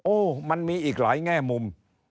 โอ้โหมันมีอีกหลายแง่มุม